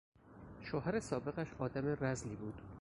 شوهر سابقش آدم رذلی بود.